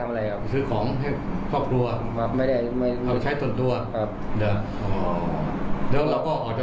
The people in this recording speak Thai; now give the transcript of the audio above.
อันนี้จริงนะ